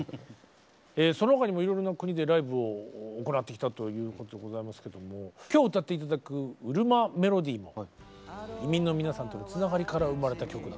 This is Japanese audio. その他にもいろいろな国でライブを行ってきたということでございますけど今日歌って頂く「ウルマメロディー」も移民の皆さんとのつながりから生まれた曲だということで。